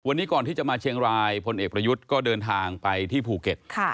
วันนี้ก่อนที่จะมาเชียงรายพลเอกประยุทธ์ก็เดินทางไปที่ภูเก็ต